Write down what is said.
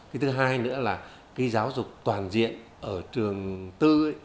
cái thứ hai nữa là cái giáo dục toàn diện ở trường tư ấy